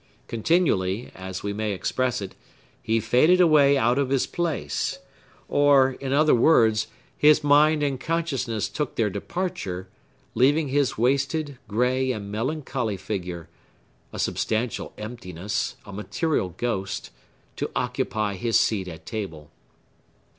Continually, as we may express it, he faded away out of his place; or, in other words, his mind and consciousness took their departure, leaving his wasted, gray, and melancholy figure—a substantial emptiness, a material ghost—to occupy his seat at table.